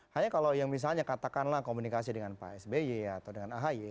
hanya kalau yang misalnya katakanlah komunikasi dengan pak sby atau dengan ahy